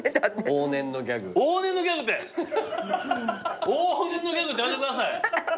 「往年のギャグ」ってやめてください！